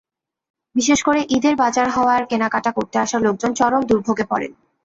বিশেষ করে ঈদের বাজার হওয়ায় কেনাকাটা করতে আসা লোকজন চরম দুর্ভোগে পড়েন।